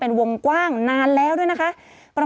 ศูนย์อุตุนิยมวิทยาภาคใต้ฝั่งตะวันอ่อค่ะ